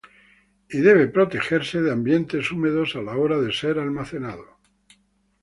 Y debe protegerse de ambientes húmedos a la hora de ser almacenado.